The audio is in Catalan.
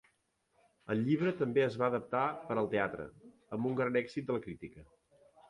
El llibre també es va adaptar per al teatre, amb un gran èxit de la crítica.